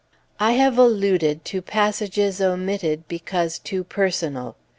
I have alluded to passages omitted because too personal.